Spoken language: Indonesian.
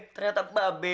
ternyata mbak be